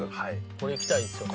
これいきたいですよね。